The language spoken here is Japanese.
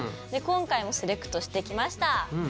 今回もセレクトしてきました。